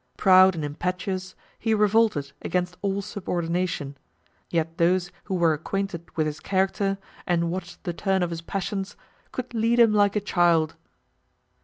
Proud and impetuous, he revolted against all subordination; yet those who were acquainted with his character, and watched the turn of his passions, could lead him like a child.